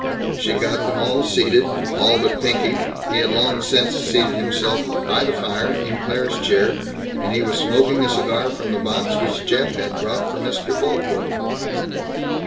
She got them all seated all but Pinky. He had long since seated himself, by the fire, in Claire's chair, and he was smoking a cigar from the box which Jeff had brought for Mr. Boltwood.